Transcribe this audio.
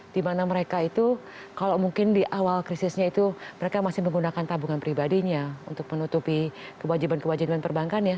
dimana mereka itu kalau mungkin di awal krisisnya itu mereka masih menggunakan tabungan pribadinya untuk menutupi kewajiban kewajiban perbankannya